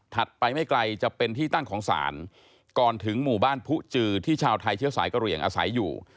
ไปไม่ไกลจะเป็นที่ตั้งของศาลก่อนถึงหมู่บ้านผู้จือที่ชาวไทยเชื้อสายกระเหลี่ยงอาศัยอยู่